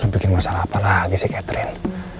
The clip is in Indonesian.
lo bikin masalah apa lagi sih catherine